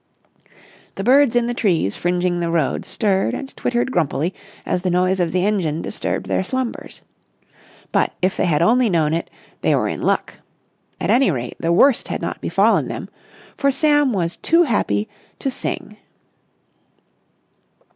The birds in the trees fringing the road stirred and twittered grumpily as the noise of the engine disturbed their slumbers. But, if they had only known it, they were in luck. At any rate, the worst had not befallen them, for Sam was too happy to sing.